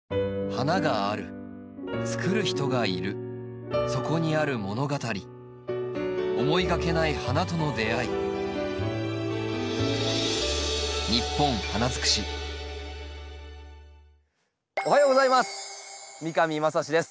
花があるつくる人がいるそこにある物語思いがけない花との出会いおはようございます。